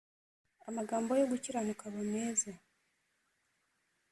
amagambo yo gukiranuka aba meza